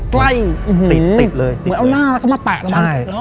ใกล้เหมือนเอาหน้าเข้ามาแตะกัน